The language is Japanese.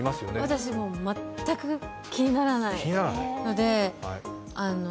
私、もう全く気にならないので。